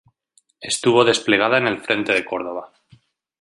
Estuvo desplegada en el Frente de Córdoba.